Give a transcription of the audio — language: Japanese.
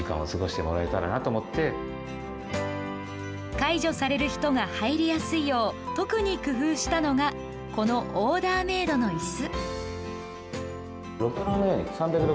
介助される人が入りやすいよう特に工夫したのがこの、オーダーメードのいす。